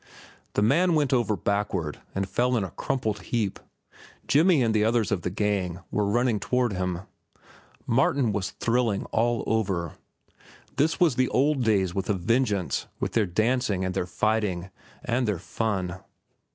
The man went over backward and fell in a crumpled heap. Jimmy and others of the gang were running toward them. Martin was thrilling all over. This was the old days with a vengeance, with their dancing, and their fighting, and their fun.